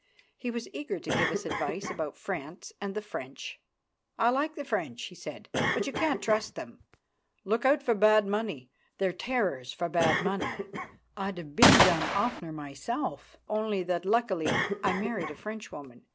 He was eager to give us advice about France and the French. "I like the French," he said, "but you can't trust them. Look out for bad money. They're terrors for bad money. I'd have been done oftener myself, only that luckily I married a Frenchwoman.